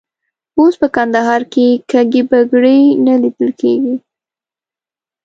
اوس په کندهار کې کږې بګړۍ نه لیدل کېږي.